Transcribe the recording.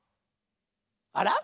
あら？